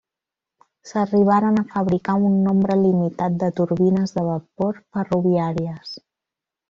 S'arribaren a fabricar un nombre limitat de turbines de vapor ferroviàries.